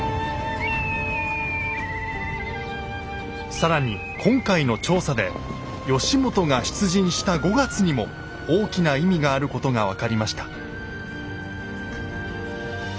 更に今回の調査で義元が出陣した５月にも大きな意味があることが分かりました。